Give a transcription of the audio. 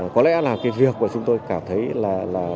có lẽ là cái việc mà chúng tôi cảm thấy là